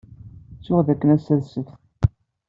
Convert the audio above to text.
Ttuɣ dakken ass-a d ssebt.